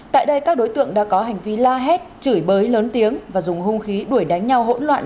tại đây các đối tượng đã có hành vi la hét chửi bới lớn tiếng và dùng hung khí đuổi đánh nhau hỗn loạn